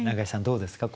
どうですか？